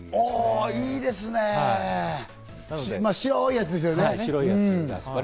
いいですね、白いやつですね。